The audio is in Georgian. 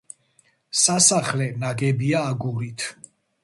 სასახლე ნაგებია აგურით.